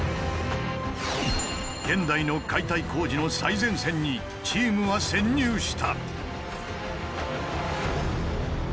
現代の解体工事の最前線にチームは潜入した。